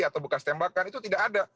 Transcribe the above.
atau bekas tembakan itu tidak ada